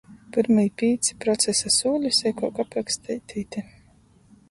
Pyrmī pīci procesa sūli seikuok apraksteiti ite.